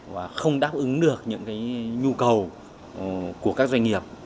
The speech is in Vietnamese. và không đáp ứng được những nhu cầu của các doanh nghiệp